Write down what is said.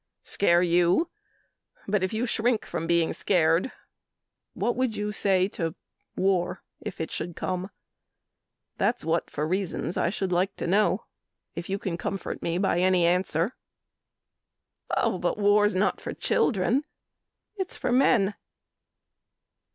"Scare you. But if you shrink from being scared, What would you say to war if it should come? That's what for reasons I should like to know If you can comfort me by any answer." "Oh, but war's not for children it's for men."